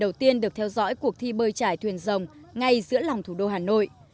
đầu tiên được theo dõi cuộc thi bơi trải thuyền rồng ngay giữa lòng thủ đô hà nội